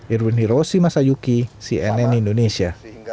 irwin hiroshi masayuki cnn indonesia